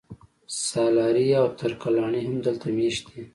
سالارزي او ترک لاڼي هم دلته مېشت دي